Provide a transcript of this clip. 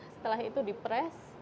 setelah itu di press